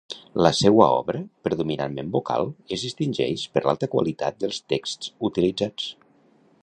La seua obra, predominantment vocal, es distingeix per l'alta qualitat dels texts utilitzats.